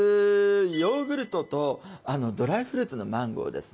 ヨーグルトとドライフルーツのマンゴーですね。